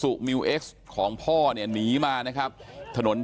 ตำรวจต้องไล่ตามกว่าจะรองรับเหตุได้